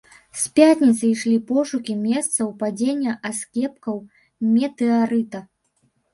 З пятніцы ішлі пошукі месцаў падзення аскепкаў метэарыта.